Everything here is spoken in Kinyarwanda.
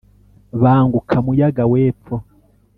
banguka, muyaga w’epfo!